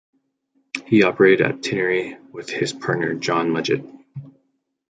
He operated a tinnery with his partner John Mudget.